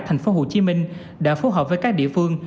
thành phố hồ chí minh đã phối hợp với các địa phương